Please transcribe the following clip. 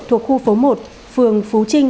thuộc khu phố một phường phú trinh